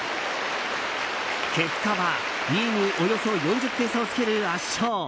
結果は、２位におよそ４０点差をつける圧勝。